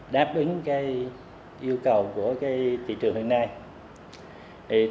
đáp ứng yêu cầu của thị trường hôm nay